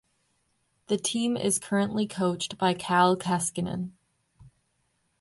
The team is currently coached by Kalle Kaskinen.